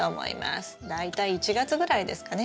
大体１月ぐらいですかね。